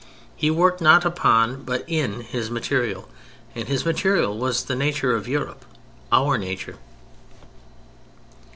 He worked not upon, but in, his material; and his material was the nature of Europe: our nature.